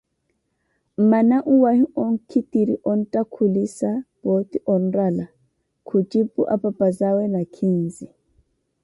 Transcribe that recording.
Mmana nwahi okhitire onttakhulisa, pooti onrala, khucipu apapazawe nakhinzi.